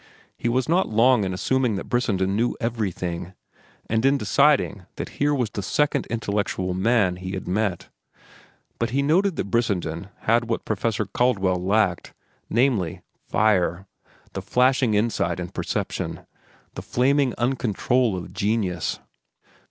He was not long in assuming that Brissenden knew everything, and in deciding that here was the second intellectual man he had met. But he noted that Brissenden had what Professor Caldwell lacked—namely, fire, the flashing insight and perception, the flaming uncontrol of genius.